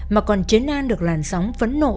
mà còn chế nan được làn sóng phấn nộ